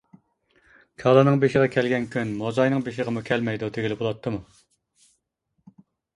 -كالىنىڭ بېشىغا كەلگەن كۈن موزاينىڭ بېشىغىمۇ كەلمەيدۇ، دېگىلى بولاتتىمۇ!